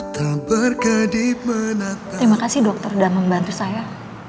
terima kasih dokter sudah membantu saya